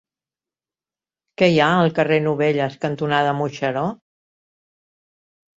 Què hi ha al carrer Novelles cantonada Moixeró?